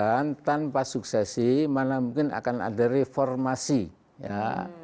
ya tanpa suksesi mana mungkin akan ada reformasi ya